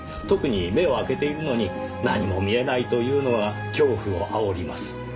特に目を開けているのに何も見えないというのは恐怖を煽ります。